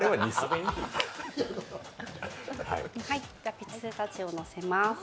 ピスタチオをのせます。